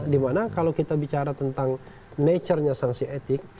dimana kalau kita bicara tentang nature nya sanksi etik